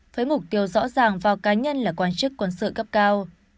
với mục tiêu rõ ràng vào cá nhân là quan chức quân sự cấp cao